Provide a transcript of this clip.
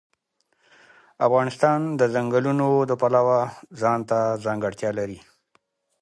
افغانستان د ځنګلونه د پلوه ځانته ځانګړتیا لري.